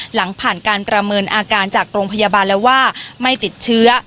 หลังผ่านการประเมินอาการจากโรงพยาบาลแล้วว่าไม่ติดเชื้อ